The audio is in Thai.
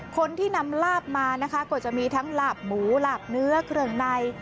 คนที่นำลาบมานะคะก็จะมีทั้งหลาบหมูหลาบเนื้อเครื่องใน